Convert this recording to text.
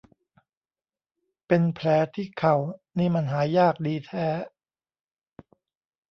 เป็นแผลที่เข่านี่มันหายยากดีแท้